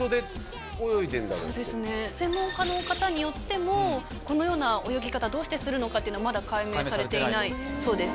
専門家の方によってもこのような泳ぎ方どうしてするのかっていうのはまだ解明されていないそうです。